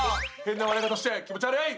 変な笑い方して気持ち悪い！